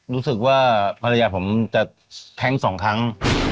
รู้สึกว่าภรรยาผมจะแท้งสองครั้ง